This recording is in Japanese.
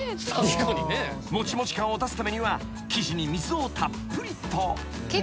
［もちもち感を出すためには生地に水をたっぷりと］